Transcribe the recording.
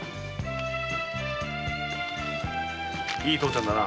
いい父ちゃんだな。